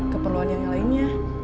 keperluan yang lainnya